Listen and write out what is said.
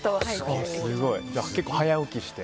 じゃあ結構、早起きして。